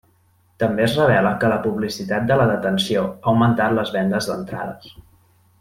També es revela que la publicitat de la detenció ha augmentat les vendes d’entrades.